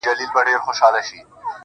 ماما خېل یې په ځنګله کي یابوګان وه-